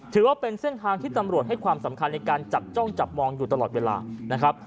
ถือว่าเป็นเส้นทางที่ตำรวจให้ความสำคัญในการจับจ้องจับมองอยู่ตลอดเวลานะครับ